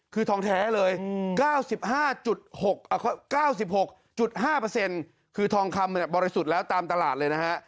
คือทองแท้เลย๙๕๙๖๕คือทองคำบริสุทธิ์แล้วตามตลาดเลยนะฮะ